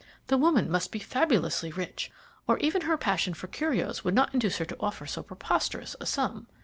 The woman must be fabulously rich, or even her passion for curios would not induce her to offer so preposterous a sum.